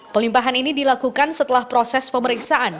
pelimpahan ini dilakukan setelah proses pemeriksaan